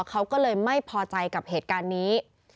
เขาก็เลยไม่พอใจกับเหตุการณ์นี้